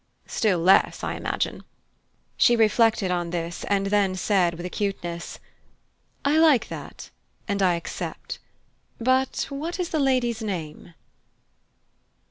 "Still less, I imagine." She reflected on this, and then said with acuteness: "I like that, and I accept but what is the lady's name?"